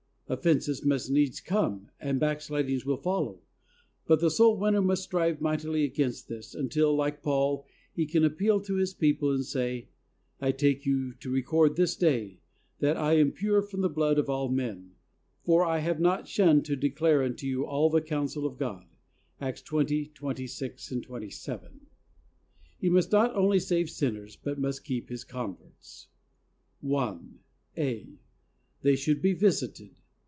"Of fences must needs come," and backslidings will follow, but the soul winner must strive mightily against this, until, like Paul, he can appeal to his people and say, "I take you to record this day that I am pure from the blood of all men, for I have not shunned to declare unto you all the counsel of God." (Acts 20: 26, 27.) He must not only save sinners, but must keep his converts. I. (a). They should be visited.